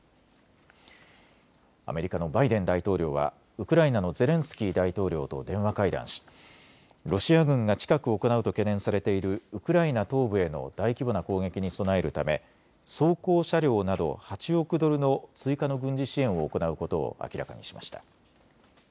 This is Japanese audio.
アメリカのバイデン大統領はウクライナのゼレンスキー大統領と電話会談しロシア軍が近く行うと懸念されているウクライナ東部への大規模な攻撃に備えるため装甲車両など８億ドルの追加の軍事支援を行うことを明らかにしました。